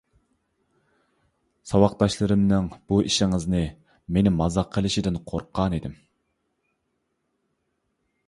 ساۋاقداشلىرىمنىڭ بۇ ئىشىڭىزنى، مېنى مازاق قىلىشىدىن قورققانىدىم.